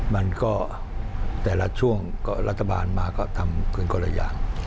มันก็แต่ละช่วงก็รัฐบาลมาก็ทำกันคนละอย่าง